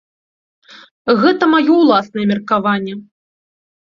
Гэта маё ўласнае меркаванне.